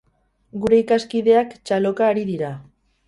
Gure ikaskideak txaloka ari dira.